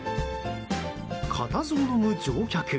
固唾をのむ乗客。